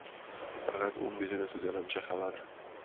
فقط اون میدونه تو دلم چه خبره